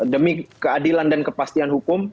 demi keadilan dan kepastian hukum